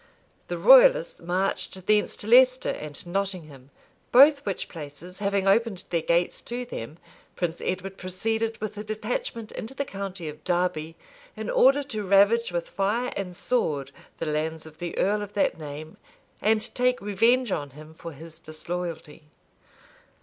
The royalists marched thence to Leicester and Nottingham; both which places having opened their gates to them, Prince Edward proceeded with a detachment into the county of Derby, in order to ravage with fire and sword the lands of the earl of that name, and take revenge on, him for his disloyalty.